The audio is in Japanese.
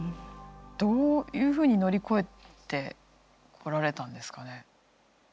どういうふうに乗り越えてこられたんですかね？